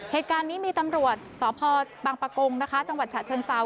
เหตุการณ์นี้มีตำรวจสพบังปะกงนะคะจังหวัดฉะเชิงเซา